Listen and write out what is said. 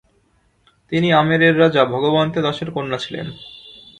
তিনি আমেরের রাজা ভগবন্ত দাসের কন্যা ছিলেন।